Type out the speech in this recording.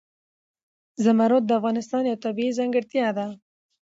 زمرد د افغانستان یوه طبیعي ځانګړتیا ده.